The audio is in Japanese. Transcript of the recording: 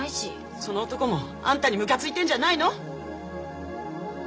その男もあんたにムカついてんじゃないの？